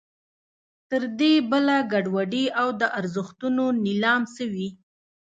تر دې بله ګډوډي او د ارزښتونو نېلام څه وي.